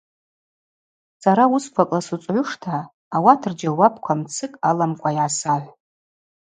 Сара уысквакӏла суцӏгӏуштӏта ауат рджьауапква мцыкӏ аламкӏва йгӏасахӏв.